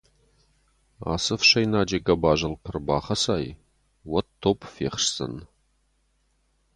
Ацы ӕфсӕйнаджы гӕбазыл куы ӕрбахӕцай, уӕд топп фехсдзӕн.